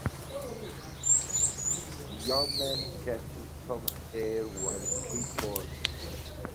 The young man catches some air while skateboarding.